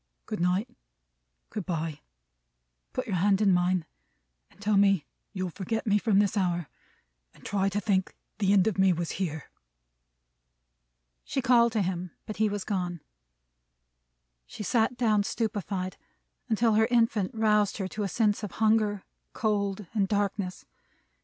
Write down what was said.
Good night. Good bye! Put your hand in mine, and tell me you'll forget me from this hour, and try to think the end of me was here." She called to him; but he was gone. She sat down stupefied, until her infant roused her to a sense of hunger, cold, and darkness.